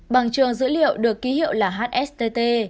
bằng trường dữ liệu được ký hiệu là hstt